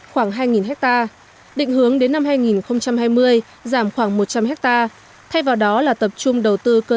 khoảng hai ha định hướng đến năm hai nghìn hai mươi giảm khoảng một trăm linh hectare thay vào đó là tập trung đầu tư cơ